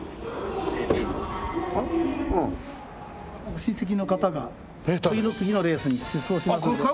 ご親戚の方が次の次のレースに出走しますので。